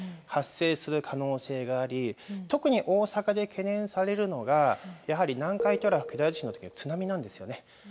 発生する可能性があり特に大阪で懸念されるのがやはり南海トラフ巨大地震の時の津波なんですよね。